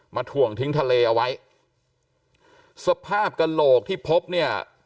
ถ่วงทิ้งทะเลเอาไว้สภาพกระโหลกที่พบเนี่ย